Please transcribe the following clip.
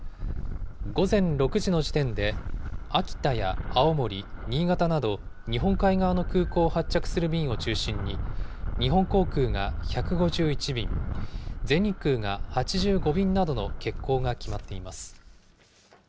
午前６時の時点で、秋田や青森、新潟など、日本海側の空港を発着する便を中心に、日本航空が１５１便、全日空が８５便などの欠航が決まっています。